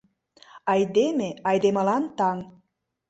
АЙДЕМЕ — АЙДЕМЫЛАН ТАҤ